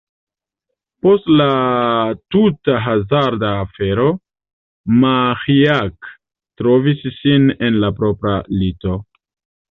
Post la tuta hazarda afero, Maĥiac trovis sin en la propra lito.